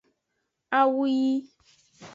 Awu yi.